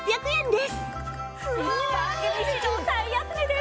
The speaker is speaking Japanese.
すごい！番組史上最安値です！